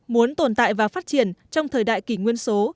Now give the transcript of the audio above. muốn tồn tại và phát triển trong thời đại kỷ nguyên số